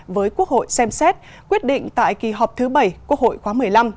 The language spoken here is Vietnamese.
với quốc hội xem xét quyết định tại kỳ họp thứ bảy quốc hội khóa một mươi năm